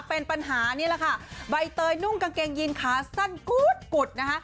เป็นปัญหานี่แหละค่ะใบเตยนุ่งกางเกงยีนขาสั้นกุ๊ดกุดนะคะ